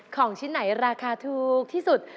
ของชิ้นไหนราคาถูกที่สุด